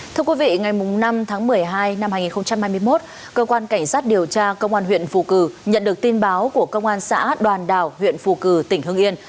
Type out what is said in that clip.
thưa quý vị ngày năm tháng một mươi hai năm hai nghìn hai mươi một cơ quan cảnh sát điều tra công an huyện phù cử nhận được tin báo của công an xã đoàn đảo huyện phù cử tỉnh hưng yên